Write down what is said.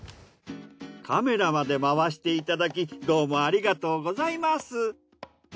カメラまで回していただきどうもありがとうございます。